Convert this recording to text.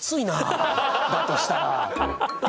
だとしたら。